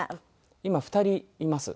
今２人います。